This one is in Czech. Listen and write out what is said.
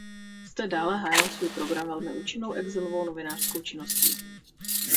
Zde dále hájil svůj program velmi účinnou exilovou novinářskou činností.